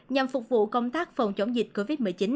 nhằm phục vụ công tác phòng chống dịch covid một mươi chín